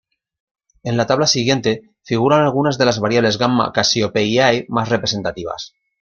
En la tabla siguiente figuran algunas de las variables Gamma Cassiopeiae más representativas.